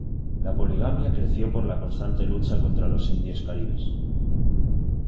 La poligamia creció por la constante lucha contra los indios caribes.